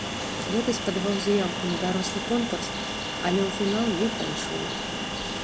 Летась падаваў заяўку на дарослы конкурс, але ў фінал не прайшоў.